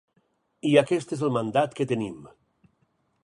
I aquest és el mandat que tenim.